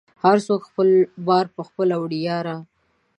هر څوک خپل بار په خپله وړی یاره